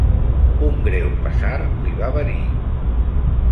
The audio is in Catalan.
Un greu pesar li va venir